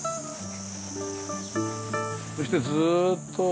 そしてずっと。